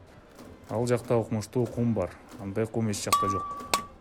Ал жакта укмуштуу кум бар, андай кум эч жакта жок!